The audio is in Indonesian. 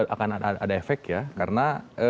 akan ada efek ya karena